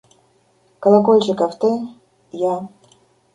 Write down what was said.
Колокольчиков, ты? – Я.